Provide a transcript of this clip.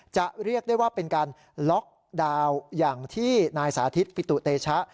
เรียกได้ว่าเป็นการล็อกดาวน์อย่างที่นายสาธิตปิตุเตชะ